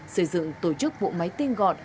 xây dựng tổ chức bộ máy tin gọn